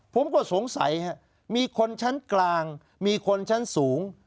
ผมก็สงสัยมีคนชั้นกลางมีคนชั้นสูง